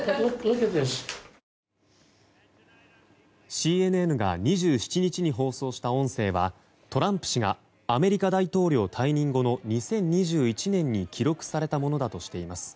ＣＮＮが２７日に放送した音声はトランプ氏がアメリカ大統領退任後の２０２１年に記録されたものだとしています。